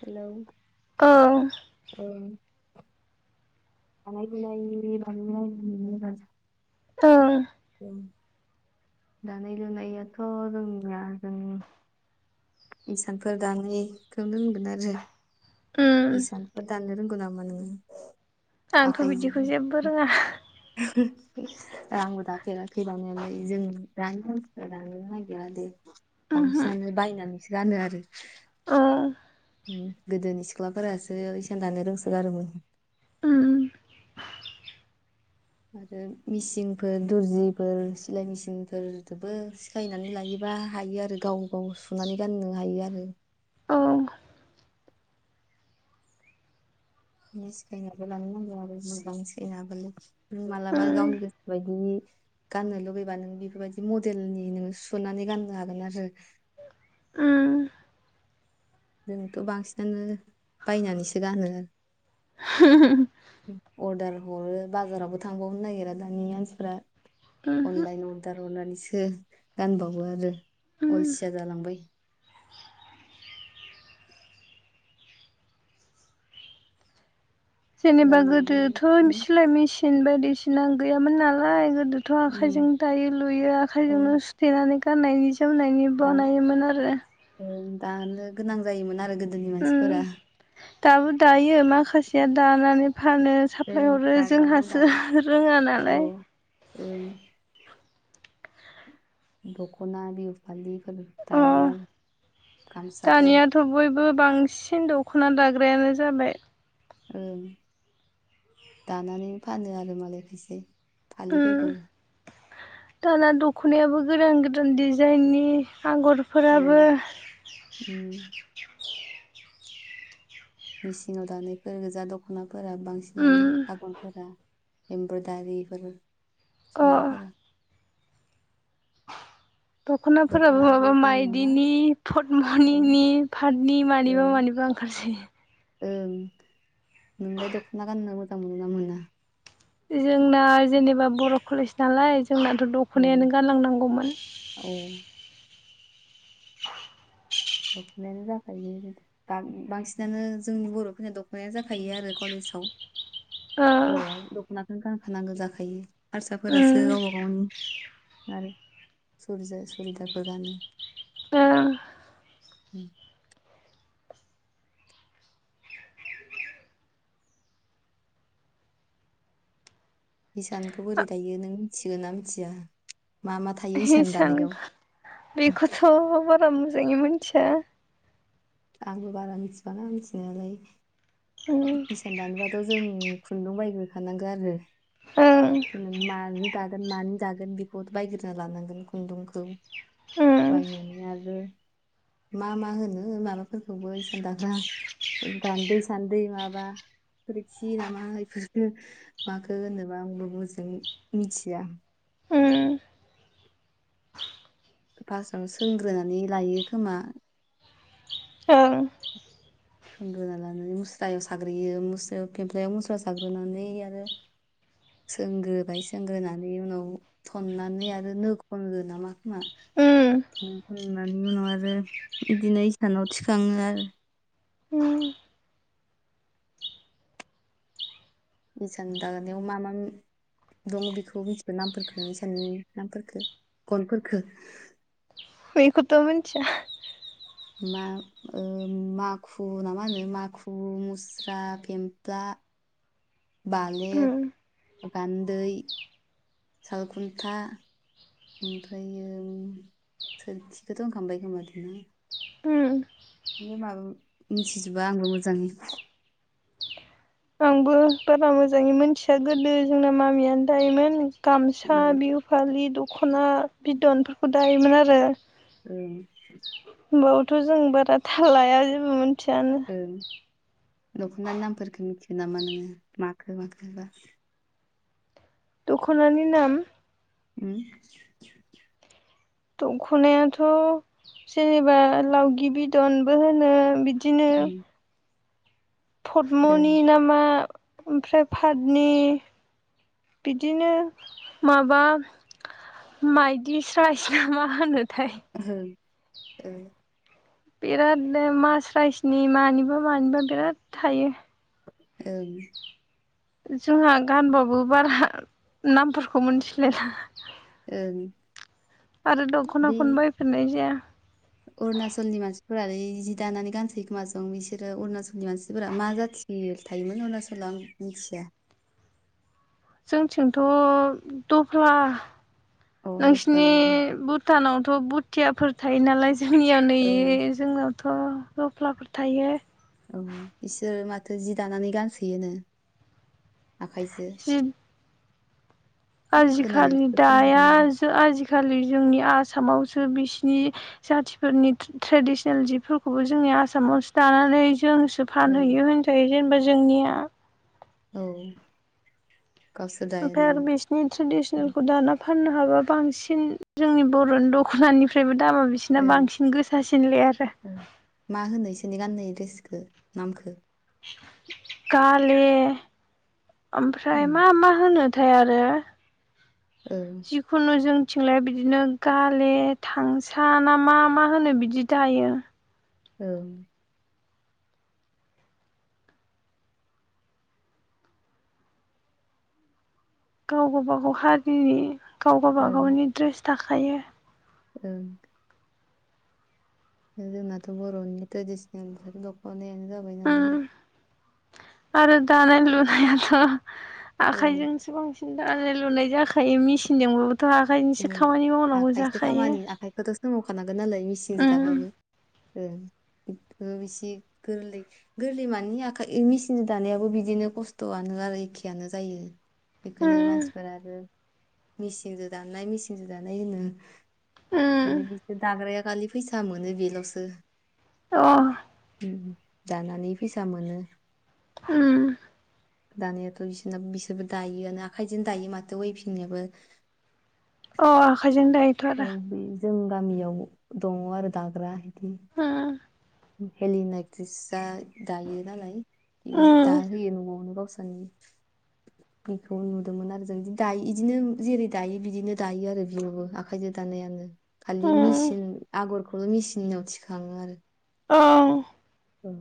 हेल' ओं औ दानाय लुनायनि बागै [unintelligible] ओं ओं दानाय लुनायाथ' रोंया जों इसानफोर दानायखौनो रोंगोन आरो उम इसानफोर दाननो रोंङ गोनां मोनो आंथ' बिदिखौ आखाइजों जेबो रोङा आंबो दाफेराखैबांनायलाय जों दानि मांसि दाननो नागिरा दे उमहो बांसिनानो बायनानैसो गानो आरो औ उम गोदोनि सिख्लाफोरासो इसान दानो रोंसादोंमोन [inaudible] उम आरो मेसिनफोर दुरजिफोर सिलाय मेसिनफोरजोंबो सिखायनानै लायोबा बा हायो आरो गाव गाव सुनानै गाननो हायो आरो औ नो सिखायनानै लानो नांगौ आरो मोजां सिखायनो हाबालाय मालाबा उम गावनि गोसो बायदि गाननो लुुबैबा नों बेफोरबायदि मडेलनि नोङो सुनानै गाननो हागोन आरो ओ जोंथ' बांसिनानो बायनानैसो गानो उमहो अर्डार हरो बाजारावबो थांबावनो नागिरा दानि मानसिफ्रा अनलायन अदार [unintelligible] 'नानैसो गानबावो आरो उम अलसिया जालांबाय जेनेबा गाननाय जोमनाय गोदोथ' उम सिलाय मेसिन बायदिसिना गैयामोन नालाय गोदो थ उम आखाइजों दायो लुयो औ आखाइजोंनो सुथेनानै गाननायनि जोमनायनि दा बानायोमोन आरो ओं दानो गोनां जायोमोन आरो गो दाबो दायो माखासेया दानानै फानो साप्लाय ओं हरो दाग्रा दं जोंहासो रोङा नालाय उम दख'ना बिहु फालिफोर दायो अ आरो गामसाफोर बो बांसिन दख'ना दाग्रायानो जाबाय ओं दानानै फानो आरो मालाय खायसे उम फालिफोरखौ दाना दख'नायाबो गोदान गोदान डजाइननि ओं आगरफोराबो उम मेसिनाव दानायफोर गोजा दख'नाफोरा उम बांसिनानो आगरफोरा एम्ब्र'दारिफोर अ सुनायफोरा दख'नाफोराबो माबा दख'नाफोर गानोना माइदिनि ओं पटमनिनि पातनि ओं मानिबा मानिबा ओंखारसै ओं नोंलाय दख'ना गाननो मोजां मोनो ना मोना? जोंना जेनेबा बर' कलेज नालाय जोंनाथ' औ दख'नायानो गानलांनांगौमोन। औ [inaudible] दख'नायानो जाखायो बां बांसिनानो जोंनि बर'फोरनि दख'नायानो जाखायो आरो कलेज सौ ओ [inaudible] बर'आ दख'नाखौ गानखानांगो जाखायो हारसाफोरासो उम गावबा गावनि आरो सुरिजा सुरिदाखौ गानो ओं उम इसानखौ बोरै दायो नों मिथिगोन ना मिथिया मा मा थायो इसान हिसान दानायाव बेखौथ' बारा मोजाङै मिनथिया आंबो बारा मिथिबावाना मिथिनायालाय उम हिसान दानोबाथ' जों खुन्दुं बायदि ओंखारनांगो आरो ओं ओम माजों दाग गोन मानि दागोन बेखौ बायग्रोना लानांगोन खुन्दुंखौ। उम बायनानै आरो मा मा होनो माबाफोरखौबो इसान दाग्रा गान्दै सानदै दैमा बा सोरखि नामा बेफोरखो माखो होनो आंबो मोजां मिथिया। उम फार्स्टआव सोंग्रोनानै लायो खोमा। ओं सोंग्रोना लानानै मुस्रायाव साग्रोयो मुस्रायाव खेमफ्लायाव मुस्रा साग्रोनानै आरो। सोंग्रोबाय सोंग्रोनानै उनाव थननानै आरो नो खनगो नामा खोमा उम नो अननानै उनाव आरो बिदिनो इसानाव थिखाङो आरो। उम हिसान दानायाव मा मा दङ बेखौ मिथिगौ नामफोरफोरखौ इसानि नामफोरखो गनफोरफोरखो। बेखौथ' मोनथिया मा ओ माखु नामा होनो माखु, मुस्रा, फेमफ्ला बालेब, उम गान्दै सालखुन्था ओमफ्रायो सोरखिखौथ' होनखांबाय माथो न'? उम बिनो माबा मिथिजोबा आंबो' मोजाङै। उम बारा मोजाङै मोनथिया गोदो जोंना मामियानो दायोमोन। गामसा ओं बिहु फालि दख'ना बिदनफोरखौ दायोमोन आरो। औ होमबाबोथ' जों बारा थाल लाया जेबोमोन ओं दख'नानि नामफोरखौ मिथ मोनामोन माखौ माखौबा दखानानि नाम उम दख'नायाथ' जेनेबा लावगि बिदनबो होनो बि दिनो उम ओं पदम'नि नामा ओमफ्राय पाटनि बिदिनो माबा माइदिस्रायना मा होनो ओं ओ बिराद नो मासराइसनि मानिबा मानिबा बिराद थायो। ओं जोंहा गानबाबो बारा नामफोरखौ मिथिलायलाङा। ओं आरो दख'ना बै खौनो बायफेरनाय जाया। अरुणाचलनि मानसिफोरालाय जि दानानै गानसैयो खोमाज जों बिसोरो अरुणाचलनि मानसिफोरा मा जाथ थि थायोमोन अरुनाचलाव आं मिथिया। जोंथिंथ' दफ्ला अ दफ्ला नोंसिनि नामा भुटानावथ' भुथियाफोर थायो नालाय। जोंनिया नै औ जोंनावथ' दफ्लाफोर थायो। औ बिसोरो माथो जि दानानै गानसोयोनो? आखाइजों जि आजिखालि खोनादों दाया आरो आज आजि खालि जोंनि आसामावसो बिसिनि जाथिफोरनि ट्रेडिसनेल जिफोरखौबो जोङो नि आसामावसो दानानै जोंसो औ फानहैयो होनजायो। जेनेबा जोंनिया औ गावसोर दाया ओमफाय आरो नामा बिसोरनि उम, ट्रेडिसनेलखौ दाना फाननो हाबा बांसिन जोंनि बर'नि दख'नानिफ्रायबो दामा बिसोरना ओं बांसिन गोसासिनलाय आरो। ड्रेसखो नामखो। गाले ओमफ्राय उम, मा-मा होनो। थाय आरो ओं जिखुनु जों। बिथिंलाया बिदिनो गाले थांसा ना मा-मा होनो बिदि दायो। ओ। गाव-गावबागाव हारिनि ओं गाव-गावबागावनि ड्रेस थाखायो। ओं। जोंनाथ' बर'नि ट्रेडिसनेलथ दख'नायानो जाबाय नालाय। उम आरो दानाय-लुनायाथ' ओं आखाइजोंसो बांसिन। दानाय-लुनाय जाखायो मिसिनजोंबो। ओम आखाइसो खामानि आखाइखौथ' सोसावखानांगोन नालाय मेसिनजों उम दाबाबो। ओं। इसे गोरलै-गोरलै मानि आखाइ मेसिन दानायाबो बिदिनो खस्त'आनो। आरो एखेयानो जायो। बेखोनो उम मानसिफोरा आरो मेचिनजों दानाय-मेचिनजों दानाय होनो। उम माने बिसोर दाग्राया खालि फैसा मोनो बेल'सो। अ। दानानै फैसा मोनो। ओम। दानायाथ' बिसोरना-बिसोरबो दायोआनो आखाइजों दायो माथो वैभिंनाबो। अ! आखायजों दायोथ' आरो। जों गामियाव दङ' आरो दाग्रा इदि। उम हेलिना एक्ट्रिसा दायो नालाय इ उम दाहोयो न'आवनो गाव। साननि। बेखौ नुदोंमोन आरो जों इदि दायो इदिनो जेरै दायो दायो दायो आरो बियावबो आखाइजों दायो। खालि उम मेचिनि आगरखौल' मेसिननिनाव थिखाङो आरो। औ। औ‌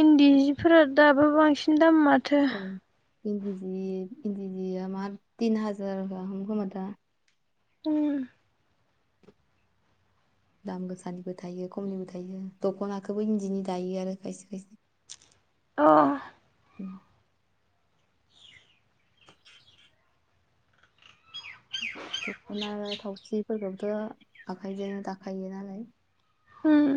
इन्दि जिफोरा दाबो बांसिन दाम माथो। इन्दि-इन्दि जिया मा तिन हाजार गाहाम खोमा दा। ओम। दाम गोसानिबो थायो खमनिबो थायो दख'नाखौबो इन्दिनि दायो आरो खायसे-खायसे। [inaudible] अ! दख'ना थावसिफोरखौथ' आखायजों दाखायो नालाय। होम।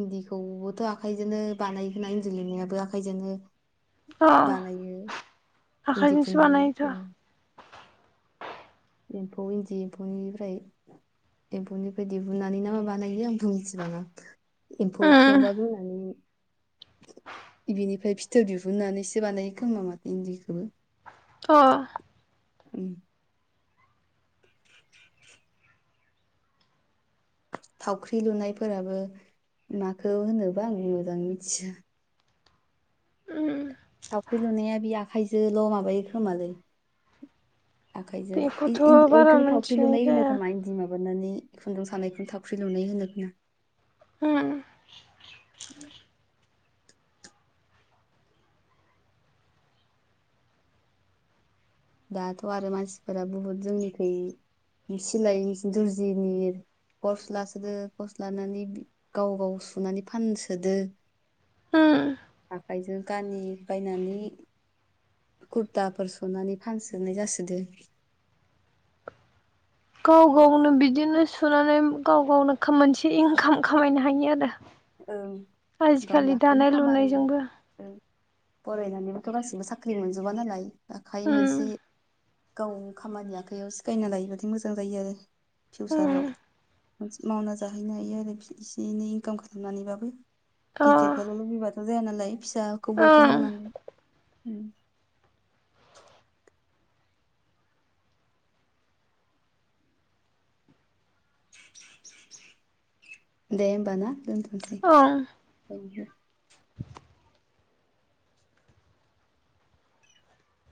इन्दिखौबोथ' आखाइजोंनो बानायनाय इन्दि लिरनायाबो आखाइजोंनो। अ बानायो इन्दि आखाइजोंसो बानायोथ' खुन्दुं। एम्फौ इन्दि एम्फौनिफ्राय। एम्फौनिफ्राय दिहुननानै ना मा बानायो आंबो मिन्थिबांङा‌। एम्फौ उम माबाग्रोनानै। बिनिफ्राय फिथोब दिहुननानैसो बानायो खोमा माथो इन्दिखौबो? अ! ओम। [inaudible] थावख्रि लुनायफोराबो माखौ होनोबा आं मोजां मिथिया? उम थावख्रि लुनाया बि आखाइजोल' माबायो खोमालै। आखाइजो बेखौथ' इ-इ-अ बारा इखोनो थावख्रि मोनथिनाय लुनाय होनो जाया खोमा इन्दि। नानै खुन्दुं सानायखौनो थावख्रि लुनाय होनो खोमा। होम‌। दाथ' आरो मानसिफोरा बुहुद जोंनिखै सिलाय दुरजिनि कर्स लासोदो कर्स लानानै बि गाव गाव सुनानै फानसोदो। उम। आखाइजों गानि बायनानै कुरताफोर सुनानै फानसोनाय जासोदो। गाव गावनो बिदिनो सुनानै गाव गावनो खामोनसे इनकाम खामायनो हायो आरो। ओं गावनि आजिखालि आखाइनि दानाय खामानि। लुनायजोंबो फरायनानैबोथ' गासिबो साख्रि मोनजोबा नालाय आखाय उम मोनसे गाव खामानि आखाइयाव सिखायना लायोबाथाय मोजां जायो आरो उम फिउसाराव। मावना जाहैनो हायो आरो बिदियैनो एसे एनै इनकाम खालामनानैबाबो अ गिदिरखौल' लुबैबा जाया नालाय फिसाखौबोथ' ओं मावनांगौ ओम। दे होमबा ना दोनथनोसै ओं औ।